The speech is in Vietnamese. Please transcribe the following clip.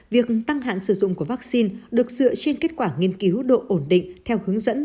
việc tăng hạn sử dụng của vaccine được dựa trên kết quả nghiên cứu độ ổn định theo hướng dẫn